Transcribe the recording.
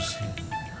udah siang juga